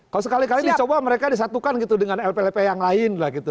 kalau sekali kali dicoba mereka disatukan gitu dengan lp lp yang lain lah gitu